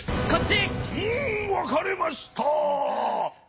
うんわかれました。